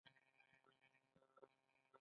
دا څه احمق دی.